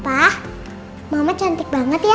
wah mama cantik banget ya